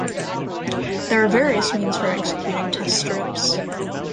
There are various means for executing test scripts.